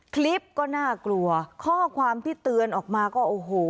คลิปก็น่ากลัวข้อความที่เตือนออกมาก็โอ้โห